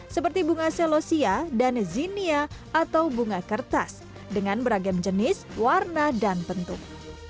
seperti bunga celosia dan zinia atau bunga kertas dengan beragam jenis warna dan bentuk